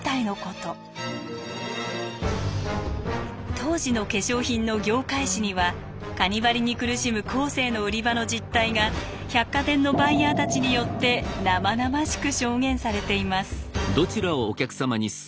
当時の化粧品の業界誌にはカニバリに苦しむコーセーの売り場の実態が百貨店のバイヤーたちによって生々しく証言されています。